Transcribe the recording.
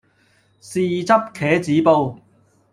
豉汁茄子煲